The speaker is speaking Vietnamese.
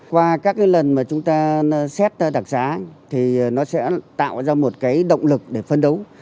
qua các cái lần mà chúng ta xét đặc xá thì nó sẽ tạo ra một cái động lực để phân đấu